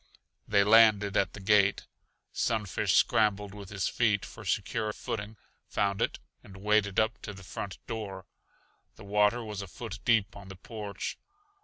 They landed at the gate. Sunfish scrambled with his feet for secure footing, found it and waded up to the front door. The water was a foot deep on the porch.